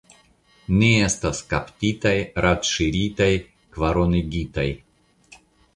Ni estas kaptitaj, radŝiritaj, kvaronigitaj!